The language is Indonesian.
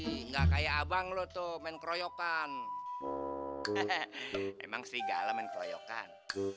enggak kayak abang lu tuh main keroyokan emang serigala main keroyokan